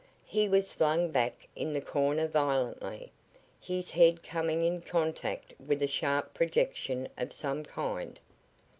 He was flung back in the corner violently, his head coming in contact with a sharp projection of some kind.